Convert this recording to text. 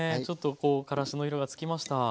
ちょっとこうからしの色がつきました。